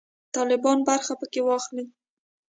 طالبان برخه پکښې واخلي.